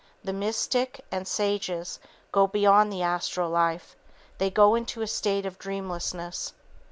The mystic, and sages, go beyond the astral life. They go into a state of dreamlessness.